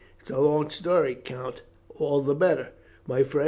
"It is a long story, Count." "All the better, my friend.